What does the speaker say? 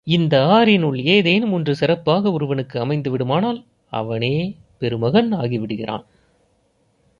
இந்த ஆறினுள் ஏதேனும் ஒன்று சிறப்பாக ஒருவனுக்கு அமைந்துவிடுமானால் அவனே பெருமகன் ஆகிவிடுகிறான்.